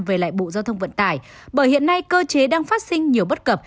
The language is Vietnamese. về lại bộ giao thông vận tải bởi hiện nay cơ chế đang phát sinh nhiều bất cập